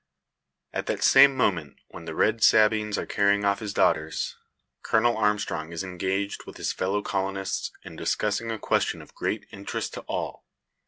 At that same moment, when the red Sabines are carrying off his daughters, Colonel Armstrong is engaged, with his fellow colonists, in discussing a question of great interest to all.